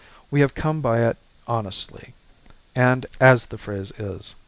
We have come by it honestly, as the phrase is.